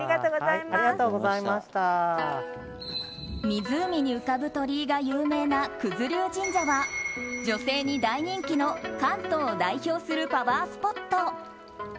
湖に浮かぶ鳥居が有名な九頭龍神社は女性に大人気の関東を代表するパワースポット。